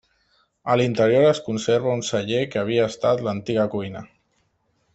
A l'interior es conserva un celler que havia estat l'antiga cuina.